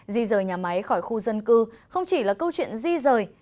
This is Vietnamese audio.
giờ nhà máy khỏi khu dân cư không chỉ là câu chuyện di rời